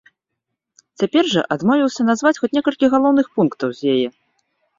Цяпер жа адмовіўся назваць хоць некалькі галоўных пунктаў з яе.